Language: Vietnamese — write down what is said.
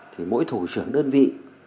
thì mỗi thủ trưởng đơn vị